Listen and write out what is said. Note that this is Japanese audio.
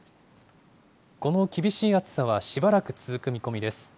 この厳しい暑さはしばらく続く見込みです。